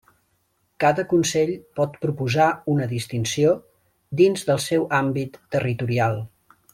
Cada Consell pot proposar una distinció, dins del seu àmbit territorial.